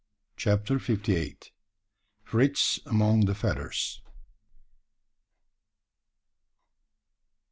CHAPTER FIFTY EIGHT. FRITZ AMONG THE FEATHERS.